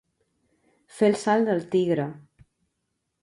Fer el salt del tigre.